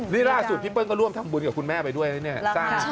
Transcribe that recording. นี่ล่าสุดพี่เปิ้ลก็ร่วมทำบุญกับคุณแม่ไปด้วยนะเนี่ย